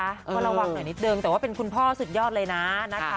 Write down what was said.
ก็ระวังหน่อยนิดนึงแต่ว่าเป็นคุณพ่อสุดยอดเลยนะนะคะ